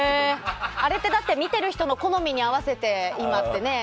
あれって見ている人の好みに合わせて、今ってね。